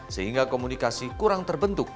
sehingga komunikasi kurang terbentuk